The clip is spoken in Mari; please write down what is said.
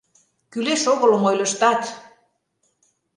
Кӱлеш огылым ойлыштат!..